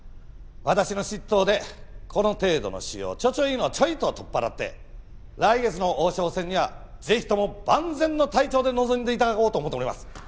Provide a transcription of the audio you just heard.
私の執刀でこの程度の腫瘍ちょちょいのちょいっと取っ払って来月の王将戦にはぜひとも万全の体調で臨んで頂こうと思っております。